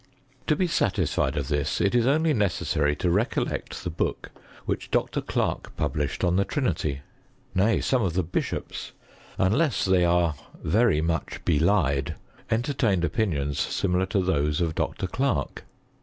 To be satisfied of this it is only neceS" sary to recollect the book which Dr. Clarke pub lished on the Trinity. Nay, some of the bishops, unless they are very much belied, entertained opinions similar to those of Dr. Clarke.